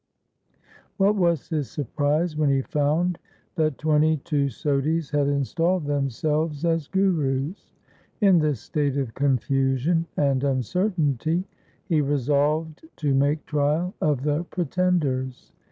What was his surprise when he found that twenty two Sodhis had installed themselves as gurus ! In this state of confusion and uncertainty he resolved to make trial of the pre tenders.